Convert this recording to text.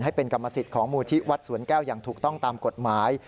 ให้เป็นกรรมสิทธิ์ของมูลที่วัดสวนแก้วอย่างถูกต้องตามกฎหมาย